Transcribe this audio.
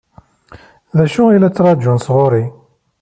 D acu i la ttṛaǧun sɣur-i?